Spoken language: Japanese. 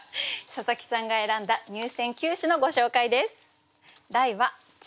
佐佐木さんが選んだ入選九首のご紹介です。